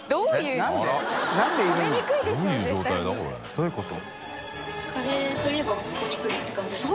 どういうこと？